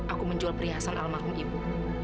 aku menjual perhiasan almarhum ibu